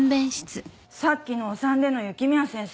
さっきのお産での雪宮先生